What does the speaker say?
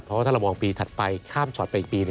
เพราะว่าถ้าเรามองปีถัดไปข้ามช็อตไปอีกปี